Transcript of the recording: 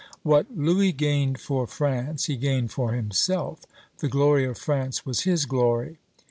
What Louis gained for France, he gained for himself; the glory of France was his glory.